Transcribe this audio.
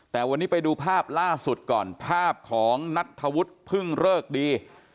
แต่วันนี้ไปดูภาพล่าสุดก่อนภาพของนัทธวุฒิเพิ่งเลิกดี